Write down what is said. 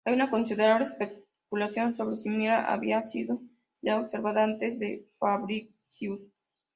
Hay una considerable especulación sobre si Mira había sido ya observada antes de Fabricius.